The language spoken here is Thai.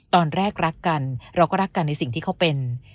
ตอนแรกรักกันเราก็รักกันในสิ่งที่เขาเป็น